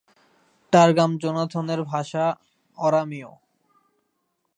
টার্গাম জোনাথনের ভাষা অরামীয়।